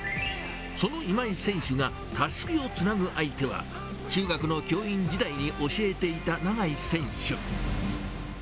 その今井選手がたすきをつなぐ相手は、中学の教員時代に教えていた永井選手。